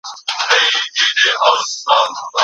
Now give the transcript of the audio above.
تولستوی د هر ډز او چاودنې غږ په خپلو غوږونو اورېده.